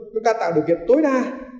chúng ta tạo điều kiện tối đa